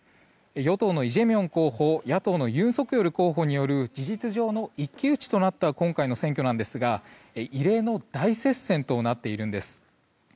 与党のイ・ジェミョン候補野党のユン・ソクヨル候補による事実上の一騎打ちとなった今回の選挙なんですが異例の大接戦となっているんです。